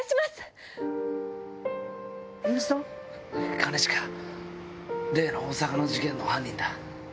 兼近、例の大阪の事件の犯人だ。